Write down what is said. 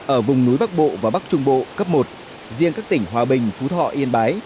ở vùng núi bắc bộ và bắc trung bộ cấp một riêng các tỉnh hòa bình phú thọ yên bái